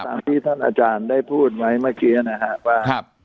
ที่ท่านอาจารย์ได้พูดไว้เมื่อกี้นะครับว่า